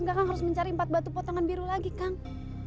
kekang harus mencari empat batu potongan biru lagi kak